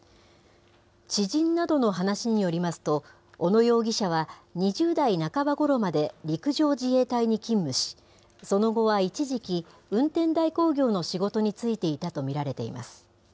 知人などの話によりますと、小野容疑者は２０代半ばごろまで陸上自衛隊に勤務し、その後は一時期、運転代行業の仕事に就いていたと見られています。